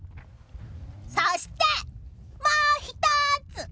そして、もう１つ！